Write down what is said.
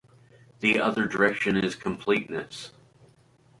The other direction is completeness.